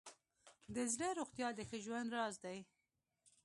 د زړه روغتیا د ښه ژوند راز دی.